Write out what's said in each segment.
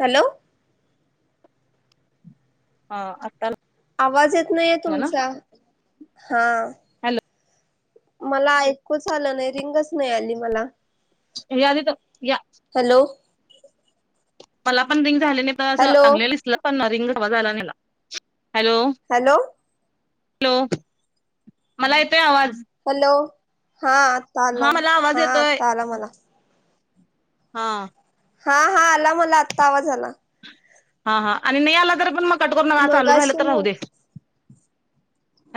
Hello. ह आता. आवाज येत नाहीये ना तुमचा? हा. हॅलो. मला ऐकूच आलं नाही रिंगच नाही आली मला. यादी तर या हॅलो. मला पण रिंग झाले नाही तर असं हॅलो अगले दिसलं पण रिंगव झाला नाहीला हॅलो हॅलो हॅलो मला येतय आवाज हॅलो हा आत्ता हा आला मला आवाज हा येतोय आत्ता आला मला हा हा हा आला मला आत्ता आवाज आला हां हां आणि नाही आला तररी पण मग कट करून चालू मगाशी राहिलं तर राहू मग दे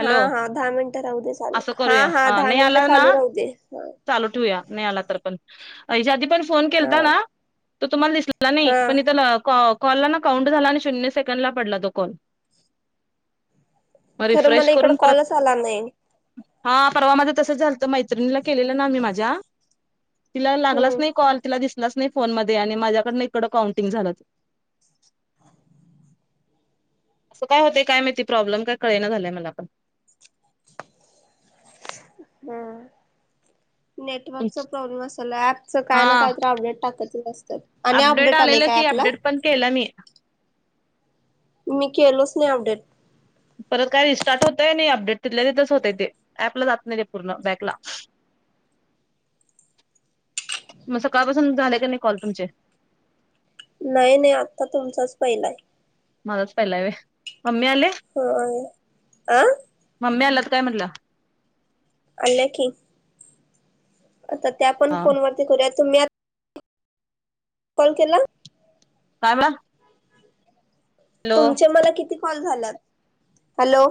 हा हा दहा मिनिट राहू दे चालू असं हा करूया हा दहा नाही आला मिनिटं ना चालू राहू दे चालू ठे आ तर पणच्या आधी पण फोन हा केता ना त तुम्हाला दिस हा नाही पण इथ कॉलला ना काउंट झाला आणि शून्य सेकंड ला पडला तो कॉल मग खरं रिफ्रेश मला इकड करून परत कॉलच आला नाही हा परवा माझ तसं झालत मैत्रिणीला केलेलं ना मी माझ्या तिला लागलाच हम्म नाही कॉल तिला दिसलाच नाही फोन म आणि माझ्याकडन इकडं काउंटिंग झालं ते असं काय होते काय माहिती प्रॉब्लेम काय कळेयं झालंय मला पण हा नेटवर्कचा प्रॉब्लेम असाला ऍपच काय ना हा काय तर अपडेट टाकतच न असतात अ अपडेट आले काय आपला केला मी मी केलोच नाही अपडेट परत काय रिस्टार्ट होतय नाही अपडेट तिल्या तिथच होतय ते ऍपला जात नाही रे पूर्ण बॅकला म सकाळपासून झालं का नाही कॉल तुमचे नाही नाही आत्ता तुमचाच पहिलाय मालाच पहिला व मम्मी आले ह अ मम्मी आला तर काय म्हटलं अला की आता त्या पण हा. फोनवररती करूया तुम्ही कॉल केला कायला तुमचे मला किती कॉल झाला हॅलो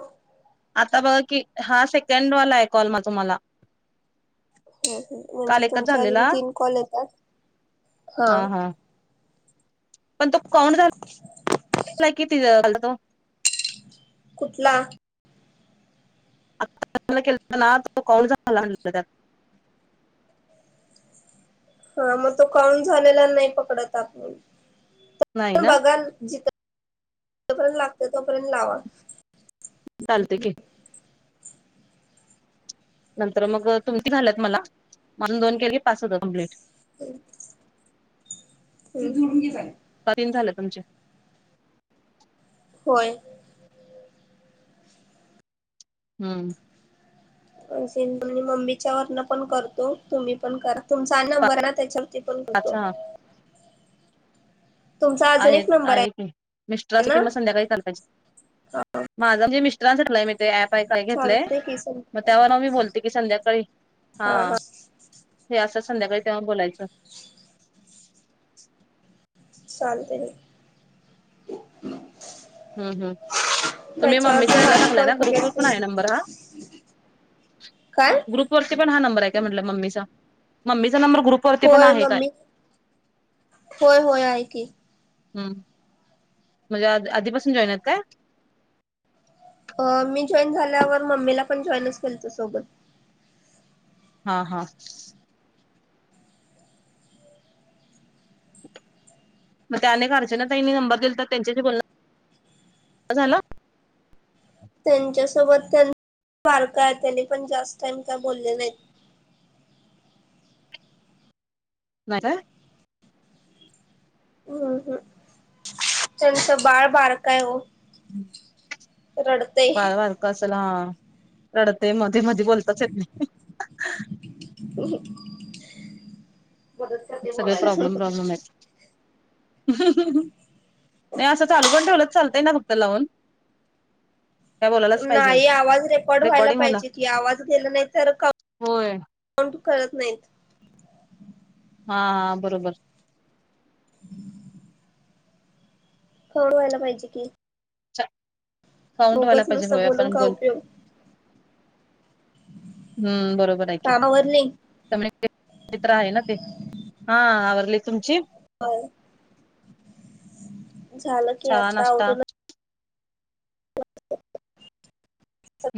आता बघ की हा सेकंडवाला आहे कॉल म तुम्हाला ह म्हणजे काल एकच तुमचे अजून झालेला. तीन कॉल येतात हा पण तो कोण झाला किती झाल तो कुठला आला के ना तो कोण झा आण त्या हा मग तो कान झालेला नाही पकडत नाही आपण ना बघा ज जोपर्यंत लागत तोपर्यंत लावा चालते क नंतर मग तुमती झाल्यात मला म्हणून दोन केली पाच होत कंप्लीट होम जोडून घे कठीण झालं तुमचे होय हम्म अस म्हणजे मम्मीच्या वरन पण करतो तुम्ही पण करा तुमचा नंबर ना त्याच्या पण पाच करतो हा तुमचा अजून आहेत एक नंबर आहे की मिस्टरसाठी कि ना म संध्याकाळी चाल पाहिजे हा माझा म्हणजे मिस्टरांसाठी क्ईट ते ऍप काय घेतलंय चालतय की मग त्यावर मी बोलते की संध्याकाळी हा हे असं संध्याकाळी तेव्हा बोलायचं चालते हे हम्म हम्म तुम्ही त्याच्यावर मम्मीचा हिला टाकलाय आकॉल ना ग्रुपवर पण आहे क नंबर हा काय ग्रुप वरती पण हा नंबर हाय काय म्हणल्ट मम्मी च मम्मीच होय मम्मी होय होय आहे की हम्म म्हणजे आ आधीपासून जॉईन यत काय अ मी जॉईन झाल्यावर मम्मीला पण जॉईनच केल तो सोबत हा हा मग त्या अनेकचे ना त्यांनी नंबर दिला तर त्यांच्याशी बोलण झालं त्यांच्यासोबत त्यां बारका आहे त्यांनी पण जास्त टाईम काय बोलले नाहीत नाय काय हम् हम् त्यांचं बाळ बारक हाय हो हम्म रडक बाळ बरक असल हा हा रडतय मग ते मधी बोलताच येत नाही [unintelligible] सगळे बोलायला. प्रॉब्लेम प्रॉब्लेम आहेत नाही असं चालू पण ठेवलंच चालतय ना फक्त लावून काय बोलायलाच पाहिजे नाही आवाज रेकॉर्ड व्हायला रेकॉर्डिंग होला पाहिजे की आवाज गेला नाही तर क होय कोण कळत नाही हा हा बरोबर [unintelligible] तेवढं व्हायला पाहिजे की साउंट व्हाला उगच पाहिजे नुसता होय बोलून आपण काय बोल उपयोग हम्म बरोबर आहेक काम आवरली कम्युनेट मित्र आहे ना ते हा आवरले तुमची ह झालं की चहा आता नाश्ता आवूरून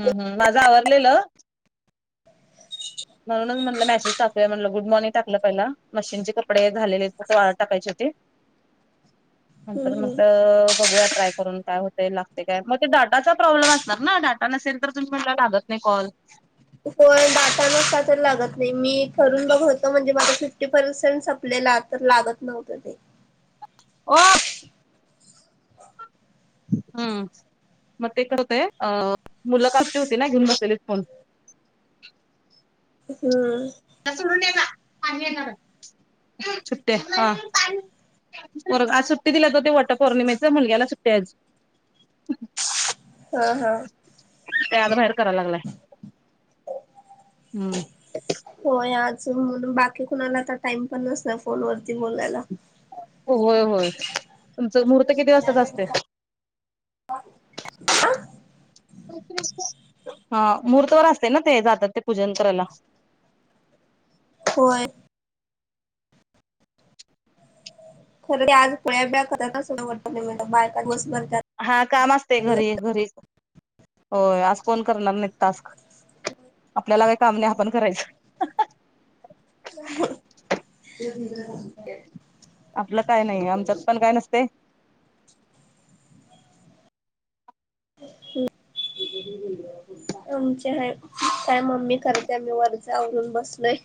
हम् हम माझं आवरलेलं म्हणूनच म्हटलं मेसेज टाकूया म्हटलं गुड मॉर्निंग टाकलं पहिला मशीनचे कपडे झाले आहेत त वाळत टाकायची होती नंत हम्म मग हम्म बघूया ट्राय करून काय होते लागते काय मग ते डाटाचा प्रॉब्लेम असणार ना डाटा नसेल तर तुम्हीट लाागत कॉल त कोण दटा नसता तर लागत नाही मी कररून बघ होतो म्हणजे माझ फिफ्टी पर्सेंट संपलेला तर लागत नव्हतं ते ओ [unintelligible] हम्म मग ते का होते अ मुलं का [unintelligible] होती ना घेऊन बसलीच फोन हम्म [unintelligible] पोर ब आज सुट्टी दिल्यात ओ ते वटपौर्णिमेच्या मुलग्याला सुट्टी आज ह हा हा त्या आत बाहेर करायला लागलाय हम्म हो आज म्हणून बाकी कुणाला आता टाइम पण नसला फोन वरती बोलायला हो होय होय तुमचं मुहूर्त किती वाजताच असत ह हा मुहूर्तवर असतय ना ते जातात ते पूजन करायला होय खरं ते आज पोळ्या बिळ्या करत्यात ना वटपौर्णिमा ल बायका ते दिवस भर करत्यात हा काम असते घरी घरी होय आज फोन करणार [unintelligible] आपल्याला काय काम नाही आपण करायचं [unintelligible] आपलं काय नाही आमच्यात पण काय नसतेय. हम. आमचे ह काय मम्मी करते आम्ही वरचावरून बसलोय.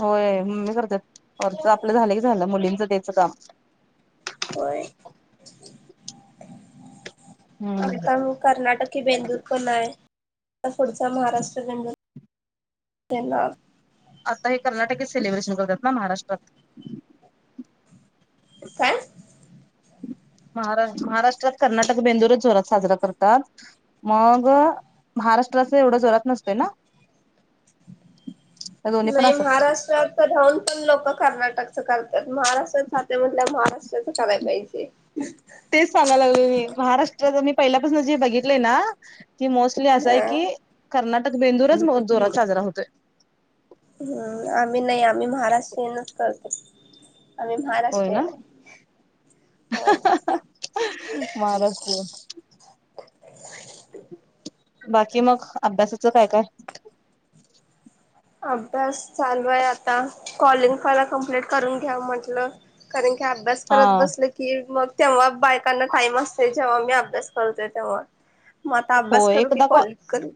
होय म ममी करते वर्च आपलं झालं की झालं मुलींचं तेच काम. होय. हम्म आताग कर्नाटक ही बेंदूर पण आहे पुढचा महाराष्ट्र बेंदूर. तेन ना. आता हे कर्नाटकच सेलिब्रेशन करतात ना महाराष्ट्रात. काय. मह महाराष्ट्रात कर्नाटक बेंदूरच जरात साजरा करतात. मग महाराष्ट्राच एवढं जोरात नसतोय ना. [inaudible] नाही असत महाराष्ट्रात. हित राऊन पण लोक कर्नाटकच करतात महाराष्ट्रात जात म्हटल्या महाराष्ट्राचं करायला पाहिजे. ह [inaudible] तेच सांगाय लागले म महाराष्ट्रा मी पहिल्यापासून जे बघितलेय ना. की मोस्टली असा आहे हा. की कर्नाटक बेंदूरच मो जोरात साजरा होतोय. हम्म आम्ही नाही आम्ही महाराष्ट्र येनच करतो. आम्ही महाराष्ट्रीयन हाय. महाराष्ट्रच. बाकी मग अभ्यासाचं काय काय. अभ्यास चालू आहे आता कॉलिंग पहिला कम्प्लीट करून घ्या म्हटलं. कारण काी अभ्यास करत हा बसले. कि मग तेव्हा बायकांना टाईम असतो जेव्हा मी अभ्यास करतो तेव्हा. मग आता हो अभ्यास करू की कॉलिंग करू.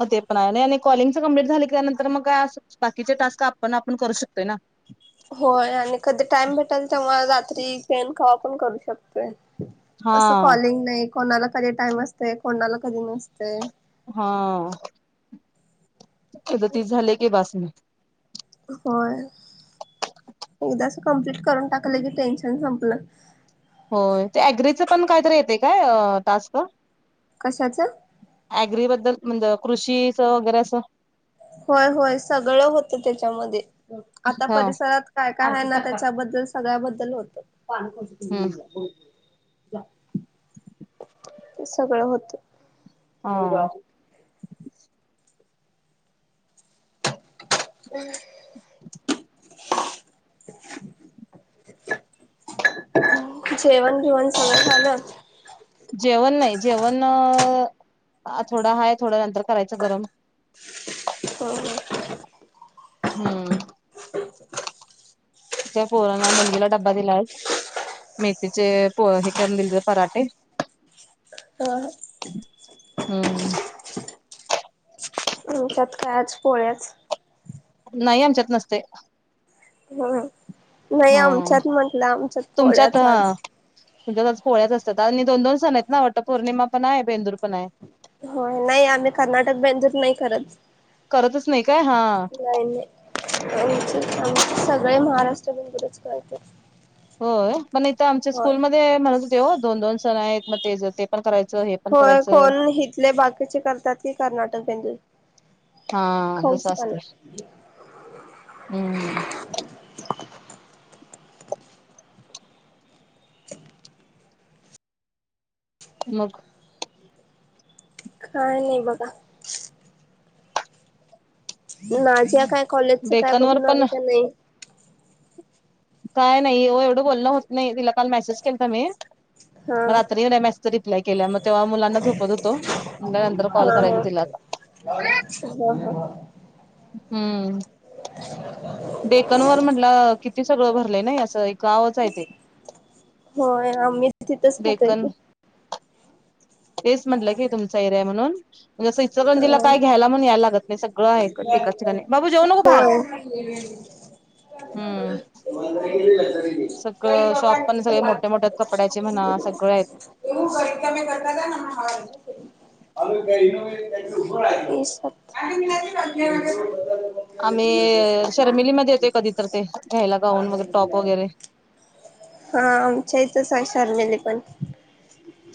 हो ते पण आहे नाही आणि कॉलिंगच कम्प्लीट झाली की त्या नंतर मग काय असंच बाकीचे टास्क आपण आपण करू शकतोय ना. होय आणि कधी टाइम भेटाल तेव्हा रात्री तेन खावा पण करू शकतोय. तसं हा. कॉलिंग नाही कोणाला कधी टाईम असते कोणाला कधी नसतेय. हा आ. सदतीस झाले की बास मग. होय एकदाच कमप्लीट करून टाकलं की टेन्शन संपलं. होय ते अग्रीच पण काहीतरी येते काय टास्क. कशाचं. आग्रीबद्दल म्हणजे कृषीच वगैरे असं. होय होय सगळ होत त्याच्यामध्ये आता हा परिसरात. काय काय ना त्याच्याबद्दल सगळ्याबद्दल होत. हम्म. ज ते सगळं होतं. हा. हम. जेवण बिवण सगळं झालं. जेवण नाही जेवण थोडं हाय थोड्या नंतर करायचं गरम. हो हो. हम्म. त्या पोरना मुलगीला ड्बा दिलाय. मेथीचे प हे करून दिले पराठे. ह ह. हम्म. आमच्यात काय आज पोळ्याच. नाही आमच्यात नसतय. ह, नाही ह आमच्यात म्हटलं आमच्यात पोळ्याच आज. तुमच्या आज पोळ्याच असतात आणि दोन दोन सण आहेत ना वटपौर्णिमा पण आहे बेंदूर पण आहे. हो नाही आम्ही कर्नाटक बेंदूर नाही करत. करतच नाही काय हा? नाही नाही, आमचे आमचे सगळे महाराष्ट्र बेंदूरच करतात. होय पण इथं आमच्या होय. स्कूलमध्ये म्हणत होते हो दोन दोन सण आहेत म ते ते पण करायचं हे पण होय करायचं कोण हिथले बाकीचे करतात कि कर्नाटक बेंदूर. हा तसं खऊची पान. असतं हम्म. मग. काय नाही बघा. नाझीया काय कॉलेजच काय डेकनवर बघून पण आली का नाही? काय नाही ओ एवढं बोलण होत नाही तिला काल मेसेज केल ता मी. हा म रात्री एवढ्या मेसेजचा रिप्लाय केल्या म तेव्हा मुलांना झोपत होतो, म्हल नंतर कॉल करायचा तिला आता. हा हा. हम्म. [inaudible] डेकनवर म्हटलं किती सगळं भरलंय नाही असं गावच आहे ते. होय आम्ही तिथच राहतोय डेक्कन की. तेच म्हटलं की तुमचा एरिया म्हणून. म्हनजे असं इचरकंजीला हा काय घयला म्हणून यायला लागत नाही सगळं आहे एकाच ठिकाणी बाबू जेऊ नको बाहर. [unintelligible] सगळं शॉप पण सगळे मोठे मोठे कपड्याचे म्हणा सगळे आहेत [unintelligible] [unintelligible] [unintelligible] आम्ही शर्मिलीमध्ये येतोय कधी तर ते घ्यायला गाऊन वगैरे टॉप वगैरे. हा आमच्या हितच हाय शर्मेली पण.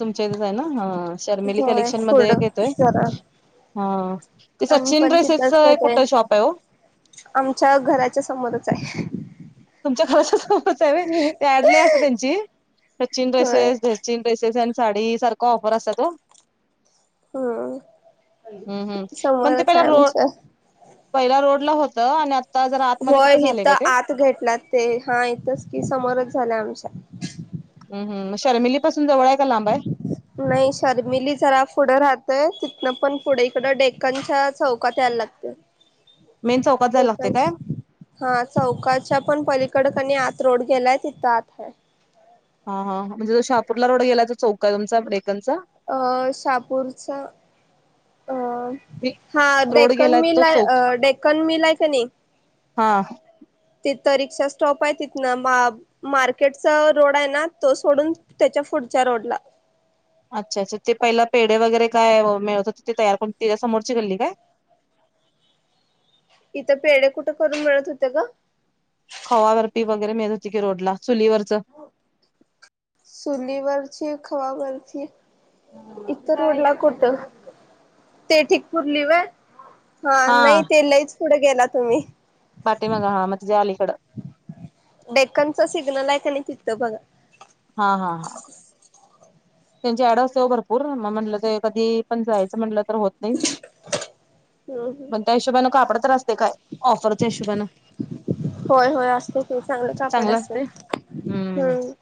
तुमच्या इथच आहे ना हा शर्मिली होय कलेक्शन फूड मध्ये एक येतोय, जरा हा. ते आम्ही सचिन पण ड्रेसेसच तिथंच ये करतोय कुठं शॉप आहे वो. आमच्या घराच्या समोरच आहे. तुमच्या घराच्या समोरच आहे होय, ते ऍड लई अस त्यांची, सचिन होय dresses dresses. Sachin dresses and sari सारखं ऑफर असत्यात ओ. हम्म हम्म हम्म पण ते समोरच पहिला आहे रो आमच्या पहिला रोडल होत आणि आता जरा आतमध्ये कुठं झालय का ते? घेतल्या ते हा इथच कि समोरच झालय आमच्या. हम् हम म शर्मिली पाासून जवळ आहे का लांब आहे. नाही शर्मिली जरा पुढं राहतय तिथनं पण पुढे इकडं डेकनच्या चौक चौकात याय लागतय, मेन चौकात जायला लागते डेक्कन काय हा चौकाच्या पण पलीकडकणी आत रोड गेलाय तिथं आत आहे. हा हां म्हणजे जो शहापूरला रोड गेलाय तो चौक काय तुमचा डेक्कन चा. अ शहापूरचा. अ हा रोड डेकन गेलाय तो मिल चौक आहे डेकन मिल आहे का नाही. हा. तिथं रिक्षा स्टॉप आहे तिथ ना मा मार्केटचा रोड आहे ना तो सोडून त्याच्या पुढच्या रोडला. अच्छा अच्छा ते पहिला पेढ वगैरे काय मिळत ते तयार करून त्याच्या समोरची गल्ली काय? इथं पेढ कुठं करून मिळत होते ग. खवा बर्फी वगैरे मिळत होती की रोडला चुलीवरच. चुलीवरची खवा बर्फी, इथं रोडला कुठं? ते ठिकपूर लिव हा हा नाही ते लईच पुढे गेला तुम्ही बाटे मगा हा मगजे आलीकडं डेक्कनचं सिग्नल आहे का नाही तिथं बघा. हा हा हा त्यांची ऍडस ते भरपूर मग म्हटलं ते कधी पण जायचं म्हटलं तर होत नाही. हम्म पण त्या हिशोबानें कापड तर असते काय ऑफरच्या हिशोबानें होय होय असत ते चांगलं कापड असत हम्म